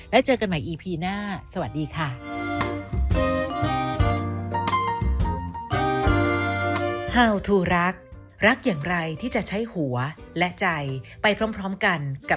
และเจอกันใหม่อีพีหน้าสวัสดีค่ะ